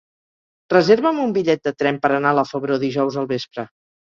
Reserva'm un bitllet de tren per anar a la Febró dijous al vespre.